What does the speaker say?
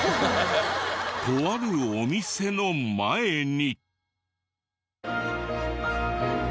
とあるお店の前に。